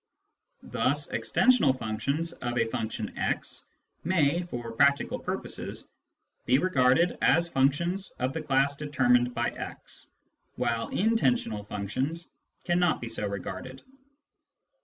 Thus extensional functions of a function x may, for practical Classes 187 purposes, be regarded as functions of the class determined by x, while intensional functions cannot be so regarded.